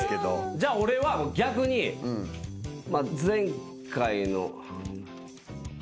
じゃあ俺は逆にまあ前回の。